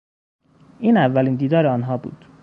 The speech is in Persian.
این اولین دیدار آنها بود.